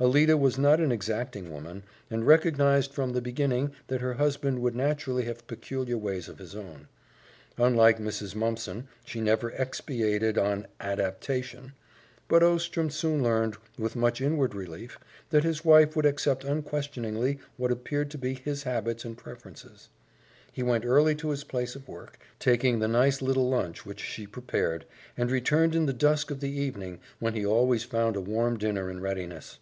Alida was not an exacting woman, and recognized from the beginning that her husband would naturally have peculiar ways of his own. Unlike Mrs. Mumpson, she never expatiated on "adaptation," but Ostrom soon learned, with much inward relief, that his wife would accept unquestioningly what appeared to be his habits and preferences. He went early to his place of work, taking the nice little lunch which she prepared, and returned in the dusk of the evening when he always found a warm dinner in readiness.